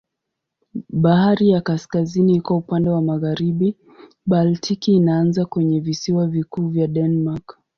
Bahari ya Kaskazini iko upande wa magharibi, Baltiki inaanza kwenye visiwa vikuu vya Denmark.